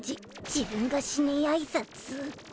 自分がしねい挨拶？